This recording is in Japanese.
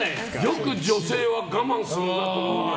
よく女性は我慢するなと思うね。